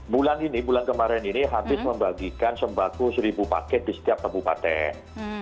bulan ini bulan kemarin ini habis membagikan sembako seribu paket di setiap kabupaten